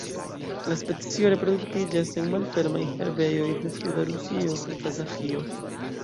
La specio reproduktiĝas en malfermaj herbejoj de suda Rusio kaj Kazaĥio.